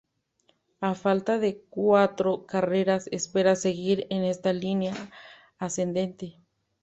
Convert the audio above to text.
A falta de cuatro carreras espera seguir en esta línea ascendente.